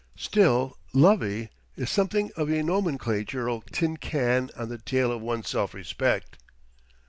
Still "Lovey" is something of a nomenclatural tin can on the tail of one's self respect.